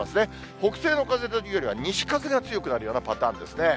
北西の風というよりは西風が強くなるようなパターンですね。